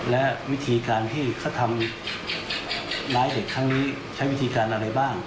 และวิธีการที่เขาทำร้ายเด็กครั้งนี้ใช้วิธีการอะไรบ้าง